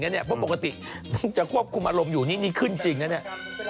เพราะปกติต้องเก็บควมอารมณ์อยู่นี่ขึ้นจริงนะเนี่ยะ